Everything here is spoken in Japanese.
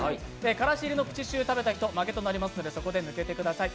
からし入りのプチシュー食べた人は負けとなりますのでそこで抜けてください。